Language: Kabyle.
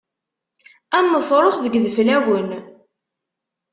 Am ufrux deg yideflawen.